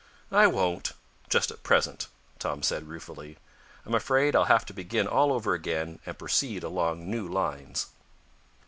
"I won't just at present," Tom said, ruefully. "I'm afraid I'll have to begin all over again, and proceed along new lines."